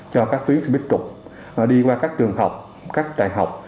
cho các tuyến xe buýt trục đi qua các trường học các đại học